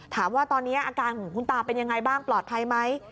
ถามว่าตอนนี้อาการของคุณตาเป็นยังไงบ้างปลอดภัยไหม